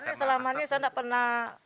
saya selama ini saya gak pernah